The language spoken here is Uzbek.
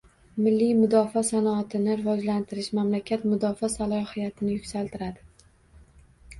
Milliy mudofaa sanoatini rivojlantirish – mamlakat mudofaa salohiyatini yuksaltiradi